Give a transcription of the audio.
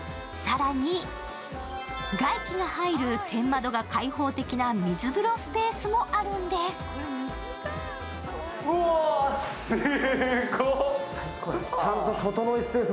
さらに、外気が入る天窓が開放的な水風呂スペースもあるんです。